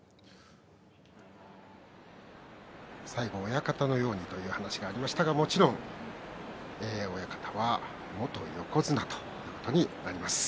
最後、親方のようにという話がありましたが、もちろん親方は元横綱ということになります。